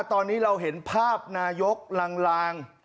ตอนนี้เราเห็นภาพนายกลาง